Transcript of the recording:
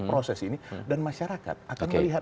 proses ini dan masyarakat akan melihat